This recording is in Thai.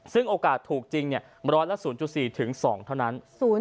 ซึ่งโอกาสถูกจริงร้อยละ๐๔๒เท่านั้น